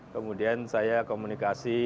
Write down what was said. kemudian saya komunikasi